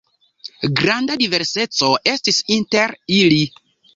Granda diverseco estis inter ili.